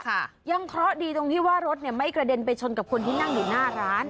ยังเคราะห์ดีตรงที่ว่ารถเนี่ยไม่กระเด็นไปชนกับคนที่นั่งอยู่หน้าร้าน